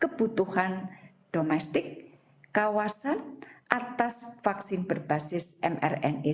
kebutuhan domestik kawasan atas vaksin berbasis mrna